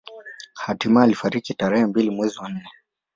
Hatimae alifariki tarehe mbili mwezi wa nne